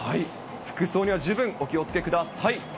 服装には十分お気をつけください。